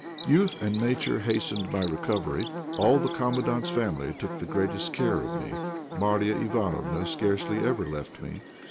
Youth and nature hastened my recovery. All the Commandant's family took the greatest care of me. Marya Ivánofna scarcely ever left me.